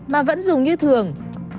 mà vẫn dùng như thường